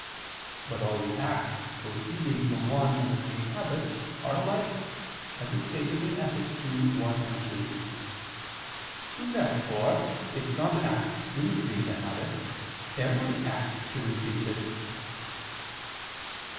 But all the acts proceeding from one and the same habit are alike (Ethic. ii, 1, 2). Therefore if some acts increase a habit, every act should increase it.